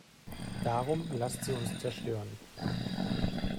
Darum lasst sie uns zerstören!